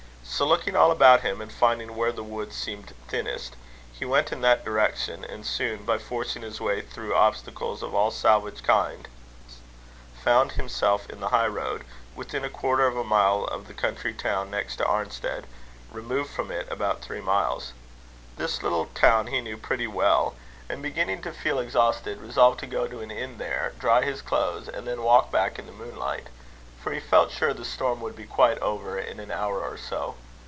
So, looking all about him, and finding where the wood seemed thinnest, he went in that direction; and soon, by forcing his way through obstacles of all salvage kinds, found himself in the high road, within a quarter of a mile of the country town next to Arnstead, removed from it about three miles. This little town he knew pretty well; and, beginning to feel exhausted, resolved to go to an inn there, dry his clothes, and then walk back in the moonlight; for he felt sure the storm would be quite over in an hour or so.